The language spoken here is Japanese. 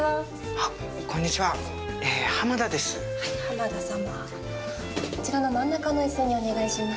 あちらの真ん中の椅子にお願いします。